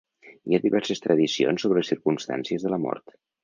Hi ha diverses tradicions sobre les circumstàncies de la mort.